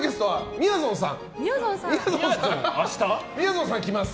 みやぞんさん、来ます。